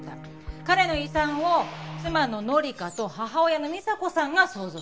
彼の遺産を妻の紀香と母親の美沙子さんが相続した。